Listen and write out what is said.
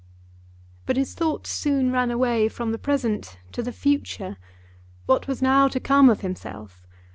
But his thoughts soon ran away from the present to the future. What was now to come of himself?